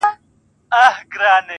ستا هغه رنگين تصوير.